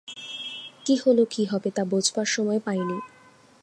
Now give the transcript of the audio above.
কী হল, কী হবে, তা বোঝবার সময় পাই নি।